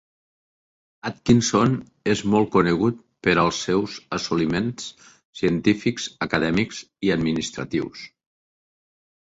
Atkinson és molt conegut per als seus assoliments científics, acadèmics i administratius.